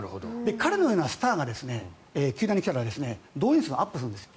彼のようなスターが球団に来た場合動員数がアップするんです。